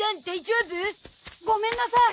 ごめんなさい！